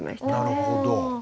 なるほど。